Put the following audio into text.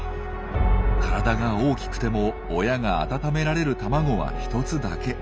体が大きくても親が温められる卵は１つだけ。